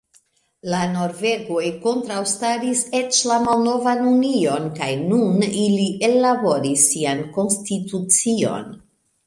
La norvegoj kontraŭstaris eĉ la malnovan union kaj nun ili ellaboris sian konstitucion.